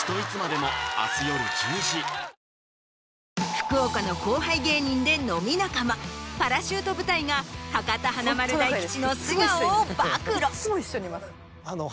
福岡の後輩芸人で飲み仲間パラシュート部隊が博多華丸・大吉の素顔を暴露。